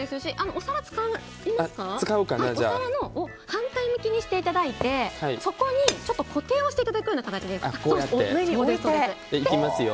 お皿を反対向きにしていただいてそこに固定をしていただく形で上に置いて。